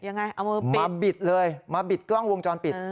นี่มาบิดเลยมาบิดกล้องวงจรปิด